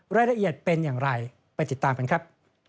รายละเอียดเป็นอย่างไรไปติดตามกันครับ